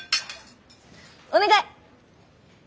お願い！